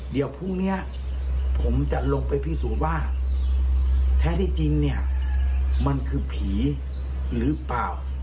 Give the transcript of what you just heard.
เดี๋ยวพรุ่งนี้ผมจะลงไปพิสูจน์ว่าแท้ที่จริงเนี่ยมันคือผีหรือเปล่า